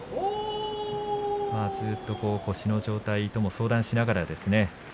ずっと腰の状態とも相談しながら。